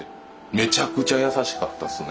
めちゃくちゃ優しかったっすね。